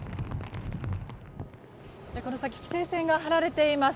この先規制線が張られています。